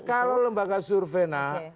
iya kalau lembaga survei nah